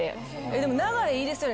でも流れいいですよね